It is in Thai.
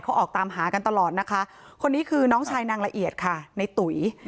เขาออกตามหากันตลอดนะคะคนนี้คือน้องชายนางละเอียดค่ะในตุ๋ย